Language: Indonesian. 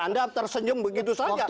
anda tersenyum begitu saja